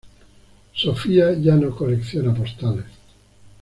Sofía ya no colecciona postales.